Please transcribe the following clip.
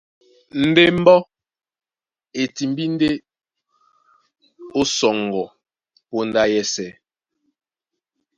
Ndé mbɔ́ e timbí ndé ó sɔŋgɔ póndá yɛ́sɛ̄.